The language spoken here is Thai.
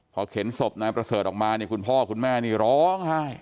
พอเข็นศพนายประเสริฐออกมาเนี่ยคุณพ่อคุณแม่นี่ร้องไห้